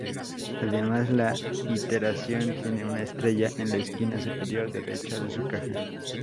Además la iteración tiene una estrella en la esquina superior derecha de su caja.